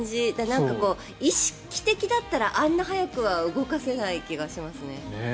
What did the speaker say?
なんか、意識的だったらあんな速くは動かせない気がしますね。